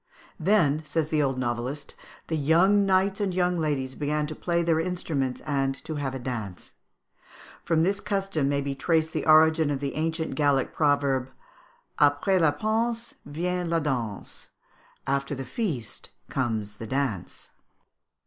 "Then," says the old novelist, "the young knights and the young ladies began to play their instruments and to have the dance." From this custom may be traced the origin of the ancient Gallic proverb, "Après la panse vient la danse" ("After the feast comes the dance").